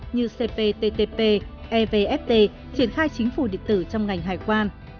như cp ttp ev ft triển khai chính phủ điện tử trong ngành hải quan